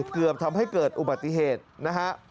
เกือบทำให้เกิดอุบัติเหตุนะฮะ